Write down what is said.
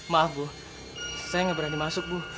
maaf bu saya nggak berani masuk bu